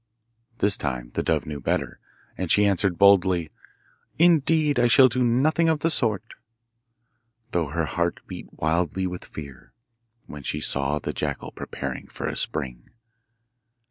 This time the dove knew better, and she answered boldly, 'Indeed, I shall do nothing of the sort,' though her heart beat wildly with fear when she saw the jackal preparing for a spring.